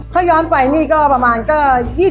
ถ้าย้อนไปก็ประมาณประมาณ๒๗ปี